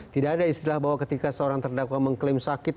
tidak ada istilah bahwa ketika seorang terdakwa mengklaim sakit